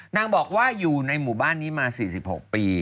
นางบอกว่าอยู่ในหมู่บ้านนี้มา๔๖ปี